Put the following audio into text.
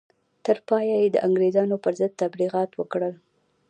تر پایه یې د انګرېزانو پر ضد تبلیغات وکړل.